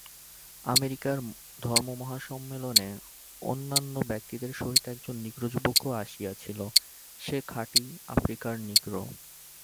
আমেরিকার ধর্মমহাসম্মেলনে অন্যান্য ব্যক্তিদের সহিত একজন নিগ্রো যুবকও আসিয়াছিল, সে খাঁটি আফ্রিকার নিগ্রো।